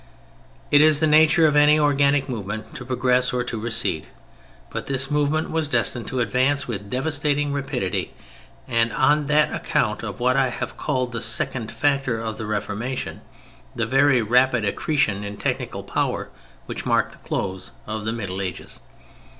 It is the nature of any organic movement to progress or to recede. But this movement was destined to advance with devastating rapidity, and that on account of what I have called the second factor in the Reformation: the very rapid accretion in technical power which marked the close of the Middle Ages.